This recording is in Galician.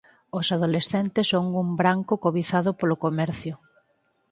Os adolescentes son un branco cobizado polo comercio.